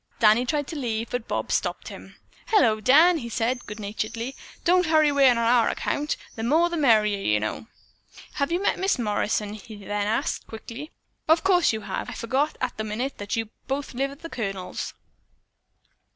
Danny tried to leave but Bob stopped him. "Hello, Dan," he said good naturedly, "don't hurry away on our account. The more the merrier, you know." "Have you met Miss Morrison?" he asked, then quickly added: "Of course you have. I forgot at the minute that you both live at the Colonel's."